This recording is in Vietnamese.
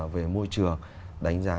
về môi trường đánh giá